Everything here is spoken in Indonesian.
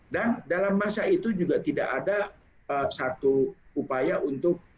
dan dalam masa itu juga tidak ada satu upaya untuk